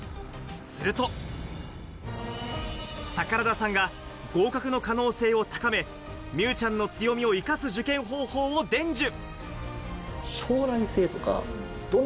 すると宝田さんが合格の可能性を高め、美羽ちゃんの強みを生かす受験方法を伝授。